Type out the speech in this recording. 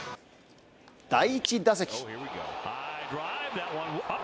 第１打席。